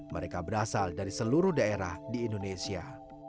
mereka berasal dari seluruh daerah di indonesia